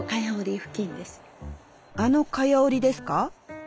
あの蚊帳織ですか？